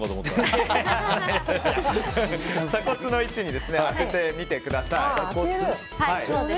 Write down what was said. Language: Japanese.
鎖骨の位置に当ててみてください。